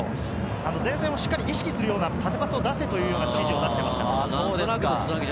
前線をしっかり意識するような縦パスを出せという指示を出していました。